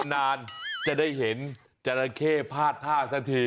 นานจะได้เห็นจราเข้พาดท่าสักที